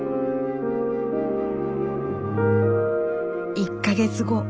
１か月後。